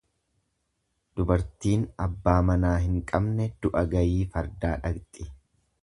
Dubartiin abbaa manaa hin qabne du'a gayii fardaa dhaqxi.